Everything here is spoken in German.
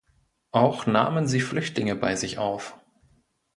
Auch nahmen sie Flüchtlinge bei sich auf.